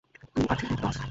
তুই আর্চি রিড নস!